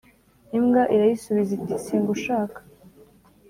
imbwa irayisubiza iti singushaka